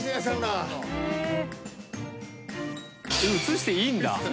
映していいんだ。